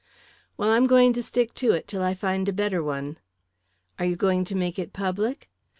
"Well, I'm going to stick to it till I find a better one." "Are you going to make it public?"